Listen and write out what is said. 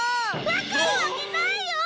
分かるわけないよ！